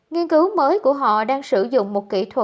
nghiên cứu mới của họ đang sử dụng một kỹ thuật